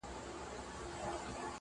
د شپو په زړه کي وینمه توپان څه به کوو؟.!